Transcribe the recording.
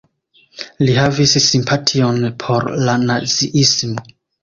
Li havis simpation por la naziismo.